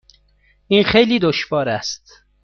این خیلی دشوار است.